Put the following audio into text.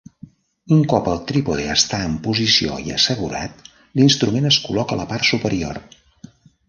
Un cop el trípode està en posició i assegurat, l'instrument es col·loca a la part superior.